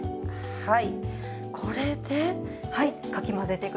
はい。